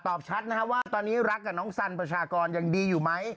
ชัดนะครับว่าตอนนี้รักกับน้องสันประชากรยังดีอยู่ไหม